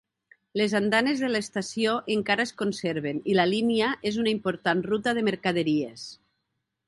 Les andanes de l'estació encara es conserven i la línia és una important ruta de mercaderies.